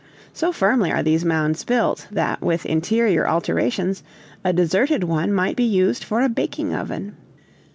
So firmly are these mounds built, that with interior alterations, a deserted one might be used for a baking oven.